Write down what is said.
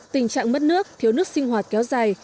tình trạng mất nước thiếu nước sinh hoạt kéo dài